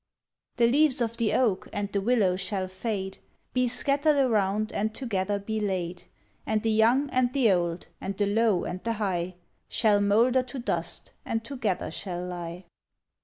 The leaves of the oak and the willow shall fade, Be scattered around and together be laid; And the young and the old, and the low and the high, Shall moulder to dust and together shall lie.